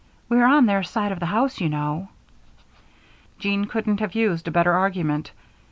We're on their side of the house, you know." Jean couldn't have used a better argument.